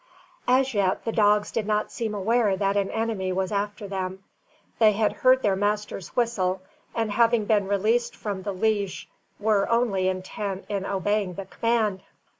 As yet, the dogs did not seem aware that an enemy was after them. They had heard their master's whistle, and having been released from the leash, were only intent in obeying the command.